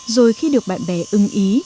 rồi khi được bạn bè ưng ý